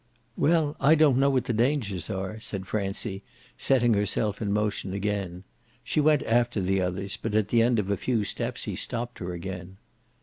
"Well, I don't know what the dangers are," said Francie, setting herself in motion again. She went after the others, but at the end of a few steps he stopped her again.